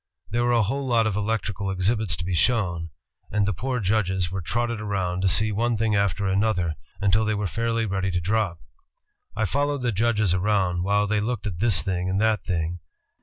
There were a whole lot of electrical exhibits to be shown ..., and the poor judges were trotted around to see one thing after another until they were fairly ready to drop. I followed the judges around, while they looked at this thing and that thing.